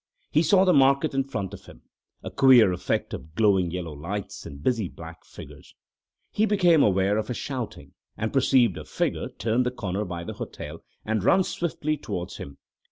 He saw the market in front of him—a queer effect of glowing yellow lights and busy black figures. He became aware of a shouting, and perceived a figure turn the corner by the hotel and run swiftly towards him.